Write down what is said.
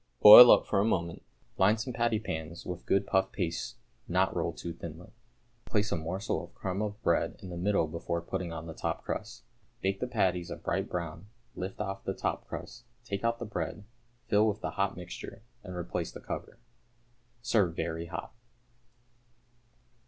Boil up for a moment. Line some patty pans with good puff paste not rolled too thinly, place a morsel of crumb of bread in the middle before putting on the top crust; bake the patties a bright brown, lift off the top crust, take out the bread, fill with the hot mixture, and replace the cover. Serve very hot.